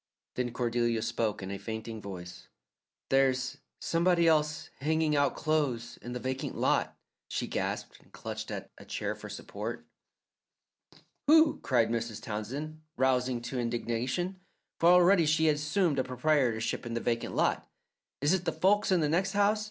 Then Cordelia spoke in a fainting voice. "There's somebody else hanging out clothes in the vacant lot," she gasped, and clutched at a chair for support. "Who?" cried Mrs. Townsend, rousing to indignation, for already she had assumed a proprietorship in the vacant lot. "Is it the folks in the next house?